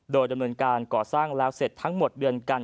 โดยดำเนินการก่อสร้างแล้วเสร็จทั้งหมดเดือนกัน